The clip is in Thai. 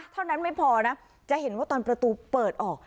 เท่านั้นไม่พอนะจะเห็นว่าตอนประตูเปิดออก